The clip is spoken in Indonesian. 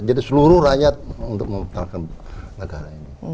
jadi seluruh rakyat untuk mempertahankan negara ini